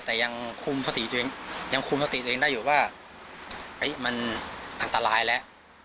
แต่ยังคุมสติตัวเองได้อยู่ว่ามันอันตรายแล้ว